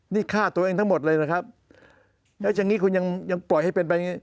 นี่ฆ่าตัวเองทั้งหมดเลยนะครับแล้วอย่างนี้คุณยังยังปล่อยให้เป็นไปอย่างงี